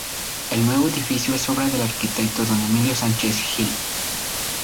El nuevo edificio es obra del arquitecto Don Emilio Sánchez Gil.